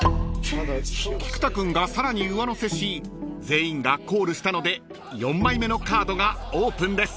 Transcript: ［菊田君がさらに上乗せし全員がコールしたので４枚目のカードがオープンです］